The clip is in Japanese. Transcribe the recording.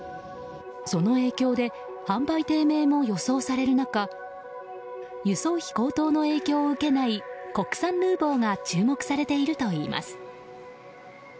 その影響で販売低迷も予想される中輸送費高騰の影響を受けない国産ヌーボーが注目されているといいます。